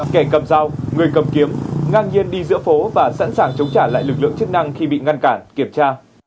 kẻ cầm dao người cầm kiếm ngang nhiên đi giữa phố và sẵn sàng chống trả lại lực lượng chức năng khi bị ngăn cản kiểm tra